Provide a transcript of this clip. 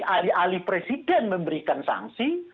alih alih presiden memberikan sanksi